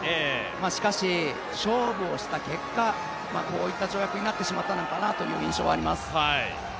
しかし勝負をした結果、こういった跳躍になってしまったのかなという印象はあります。